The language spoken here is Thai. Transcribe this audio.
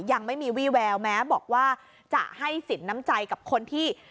ยังไม่มีวี่แววแม้บอกว่าจะให้สินน้ำใจกับคนที่